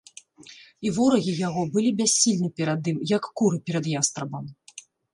І ворагі яго былі бяссільны перад ім, як куры перад ястрабам.